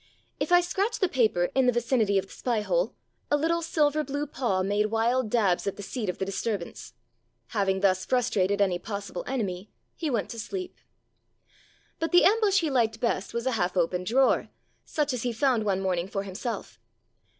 If I scratched the paper in the vicinity of the spy hole, a little silver blue paw made wild dabs at the seat of the disturb ance. Having thus frustrated any possible enemy, he went to sleep. But the ambush he liked best was a half opened drawer, such as he found one morning for himself.